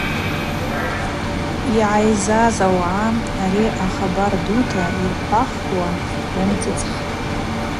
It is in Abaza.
Йгӏайззаз ауагӏа ари ахабар дута йырхӏвахуа йамцӏыцӏхтӏ.